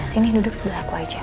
sini duduk sebelah aku aja